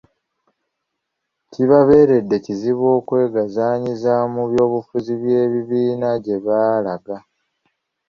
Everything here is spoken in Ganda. Kibabeeredde kizibu okwegazanyiza mu by'obufuzi by'ebibiina gye baalaga.